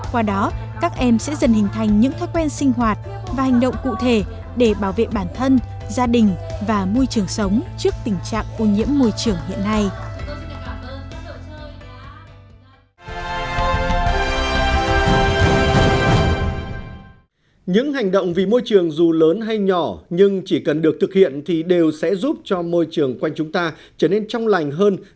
qua đó các em sẽ dần hình thành những thói quen sinh hoạt và hành động cụ thể để bảo vệ bản thân gia đình và môi trường sống trước tình trạng ô nhiễm môi trường hiện nay